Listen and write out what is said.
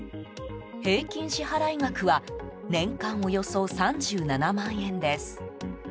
平均支払額は年間およそ３７万円です。